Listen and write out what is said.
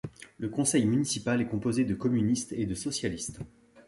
Le conseil municipal est composé de communistes et de socialistes.